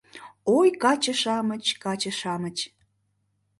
Ой, каче-шамыч, каче-шамыч